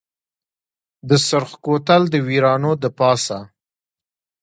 د سرخ کوتل دویرانو دپاسه